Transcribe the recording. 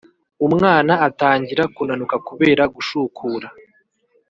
umwana atangira kunanuka kubera gushukura,